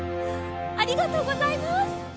ありがとうございます。